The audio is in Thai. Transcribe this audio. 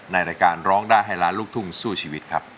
ในรายการร้องได้ให้ล้านลูกทุ่งสู้ชีวิตครับ